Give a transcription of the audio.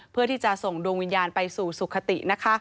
เพื่อที่จะส่งดวงวิญญาณไปสู่สุขตินะคะ